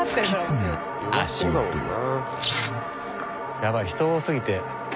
ヤバい人多過ぎて。